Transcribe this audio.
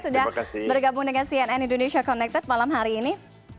sudah bergabung dengan cnn indonesia connected malam hari ini